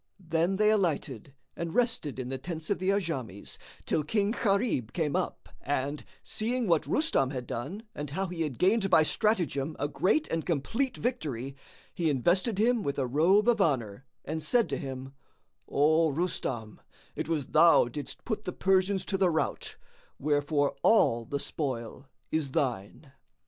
Then they alighted and rested in the tents of the Ajams till King Gharib came up and, seeing what Rustam had done and how he had gained by stratagem a great and complete victory, he invested him with a robe of honour and said to him, "O Rustam, it was thou didst put the Persians to the rout; wherefore all the spoil is thine."